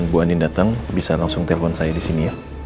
bu ani datang bisa langsung telepon saya di sini ya